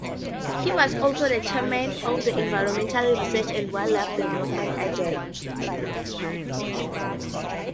He was also the chairman of the Environmental Research and Wildlife Development Agency.